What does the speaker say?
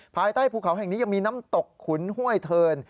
ภายใต้ภูเขาแห่งนี้ยังมีน้ำตกขุนห้วยเทิน